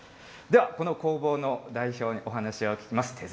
では、この工房の代表にお話を聞きます。